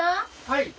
はい。